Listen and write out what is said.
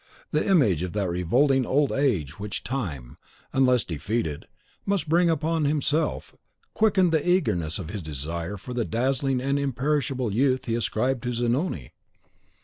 The image of that revolting Old Age which Time, unless defeated, must bring upon himself, quickened the eagerness of his desire for the dazzling and imperishable Youth he ascribed to Zanoni.